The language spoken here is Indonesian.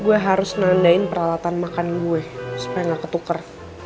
gue harus nandain peralatan makan gue supaya gak ketukar